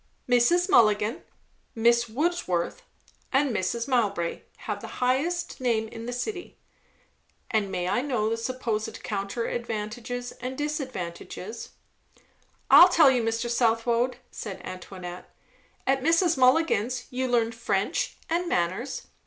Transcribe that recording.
"Mrs. Mulligan, Miss Wordsworth, and Mrs. Mowbray, have the highest name in the city." "And may I know the supposed counter advantages and disadvantages?" "I'll tell you, Mr. Southwode," said Antoinette. "At Mrs. Mulligan's you learn French and manners.